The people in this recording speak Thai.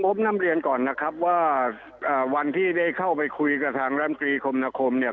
ผมนำเรียนก่อนนะครับว่าวันที่ได้เข้าไปคุยกับทางรำตรีคมนาคมเนี่ย